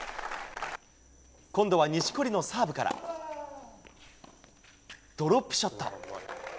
今度は錦織のサーブから、ドロップショット。